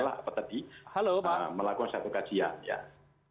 tujuannya adalah melakukan satu kajian